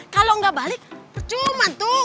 kalo ga balik percuman tuh